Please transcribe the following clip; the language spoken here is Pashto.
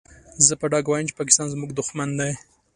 زه په ډاګه وايم چې پاکستان زموږ دوښمن دی.